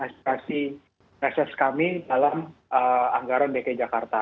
aspirasi reses kami dalam anggaran dki jakarta